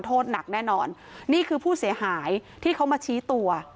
โทษหนักแน่นอนนี่คือผู้เสียหายที่เขามาชี้ตัว